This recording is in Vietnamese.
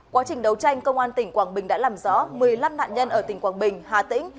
quá trình đấu tranh công an tỉnh quảng bình đã làm rõ một mươi năm nạn nhân ở tỉnh quảng bình hà tĩnh